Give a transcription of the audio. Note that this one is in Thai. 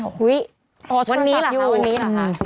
อ๋อวันนี้ล่ะค่ะวันนี้ล่ะค่ะอ่อชนสัตย์อยู่